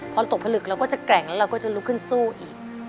พอตกผลึกเราก็จะแกร่งแล้วเราก็จะลุกขึ้นสู้อีก